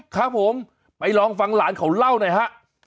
ครับผมไปลองฟังหลานเขาเล่าหน่อยฮะ